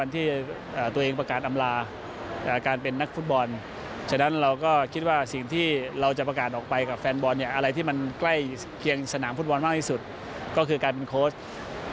ที่มันใกล้เคียงสนามฟุตบอลมากที่สุดก็คือการเป็นโค้ช